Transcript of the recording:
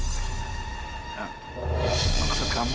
sebetulnya denganku ini anjar aja kadulnyaksi